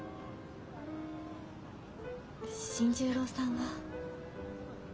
新十郎さんは。